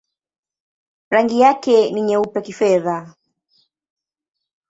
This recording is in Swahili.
Rangi yake ni nyeupe-kifedha.